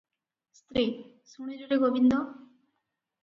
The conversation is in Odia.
ସ୍ତ୍ରୀ -ଶୁଣିଲୁରେ ଗୋବିନ୍ଦ!